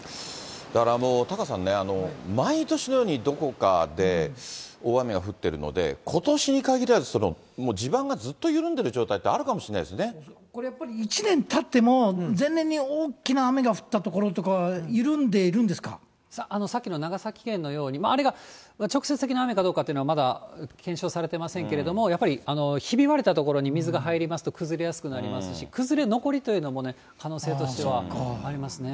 だからもう、タカさんね、毎年のようにどこかで大雨が降ってるので、ことしに限らず、もう地盤がずっと緩んでいる状態ってあるかもしこれ、やっぱり１年たっても、前年に大きな雨が降った所とかは緩んでいさっきの長崎県のように、あれが直接的な雨かというのは、まだ検証されてませんけれども、やっぱりひび割れた所に水が入りますと崩れやすくなりますし、崩れ残りというのもね、可能性としてはありますね。